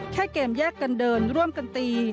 แค่เกมแยกกันเดินร่วมกันตี